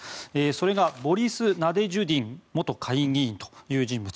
それがボリス・ナデジュディン元下院議員という人物。